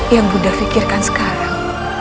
yang bunda pikirkan sekarang